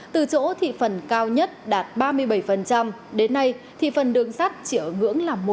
từ chỗ thị phần cao nhất đạt ba mươi bảy đến nay thị phần đường sắt chỉ ở ngưỡng là một